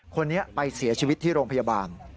คนนี้ไปเสียชีวิตที่โรงพยาบาล